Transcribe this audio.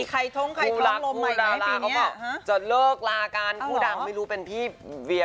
จะมีใครท้มรมใหม่ไหมปีเนี่ย